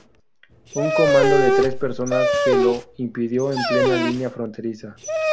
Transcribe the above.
Un comando de tres personas se lo impidió en plena línea fronteriza.